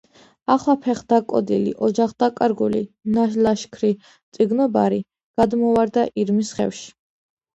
ახლა ფეხდაკოდილი, ოჯახდაკარგული, ნალაშქრი მწიგნობარი გადმოვარდა ირმის ხევში.